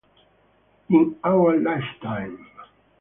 In Our Lifetime